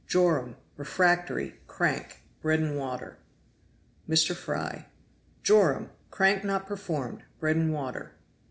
Joram.Refractory crank; bread and water. Joram.Crank not performed bread and water.